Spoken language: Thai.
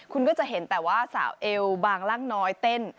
คุณก็จะเห็นแต่ว่าสาวเอวบางร่างน้อยเต้น